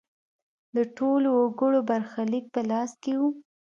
د ټولو وګړو برخلیک په لاس کې و.